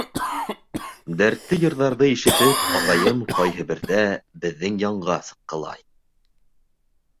Дәртле йырҙарҙы ишетеп, ағайым ҡайһы берҙә беҙҙең янға сыҡҡылай.